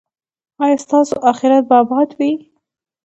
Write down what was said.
ایا ستاسو اخرت به اباد وي؟